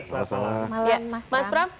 selamat malam mas pram